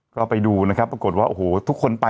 ก็ไปดูนะครับปรากฏว่าโอ้โหทุกคนไป